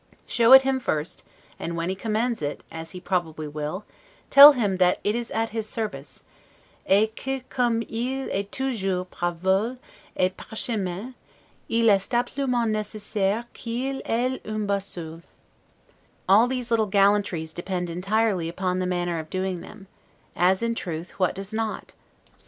Show it him first, and, when he commends it, as probably he will, tell him that it is at his service, 'et que comme il est toujours par vole et par chemins, il est absolument necessaire qu'il ale une boussole'. All those little gallantries depend entirely upon the manner of doing them; as, in truth, what does not?